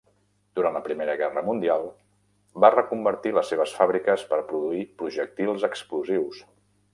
Durant la Primera Guerra Mundial, va reconvertir les seves fàbriques per produir projectils explosius.